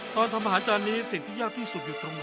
ทำอาหารจานนี้สิ่งที่ยากที่สุดอยู่ตรงไหน